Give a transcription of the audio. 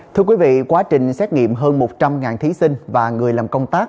thưa quý vị quá trình xét nghiệm hơn một trăm linh thí sinh và người làm công tác